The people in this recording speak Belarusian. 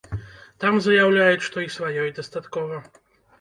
Там заяўляюць, што і сваёй дастаткова.